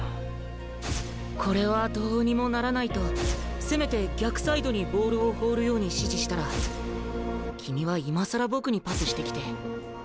これはどうにもならないとせめて逆サイドにボールを放るように指示したら君は今更僕にパスしてきて。